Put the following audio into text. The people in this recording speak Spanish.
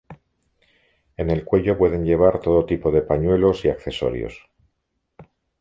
En el cuello pueden llevar todo tipo de pañuelos y accesorios.